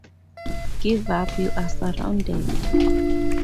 Give up, you are surrounded!